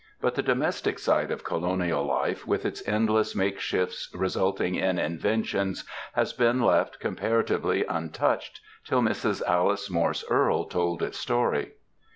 But the domestic side of colonial life, with its endless make shifts resulting in inventions, has been left comparatively untouched till Mrs. Alice Morse Earle told its story.